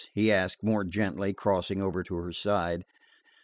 he asked more gently, crossing over to her side.